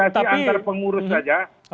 komunikasi antar pengurus saja